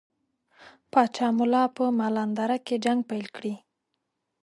پاچا ملا په مالان دره کې جنګ پیل کړي.